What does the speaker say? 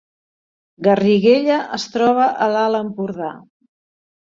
Garriguella es troba a l’Alt Empordà